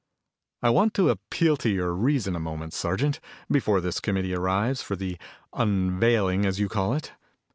"I want to appeal to your reason a moment, Sergeant, before this committee arrives for the 'unveiling' as you call it.